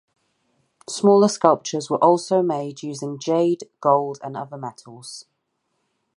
Smaller sculptures were also made using jade, gold and other metals.